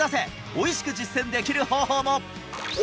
おいしく実践できる方法も！